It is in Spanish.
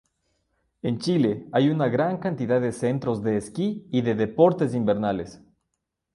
En Chile, hay una gran cantidad de centros de esquí y de deportes invernales.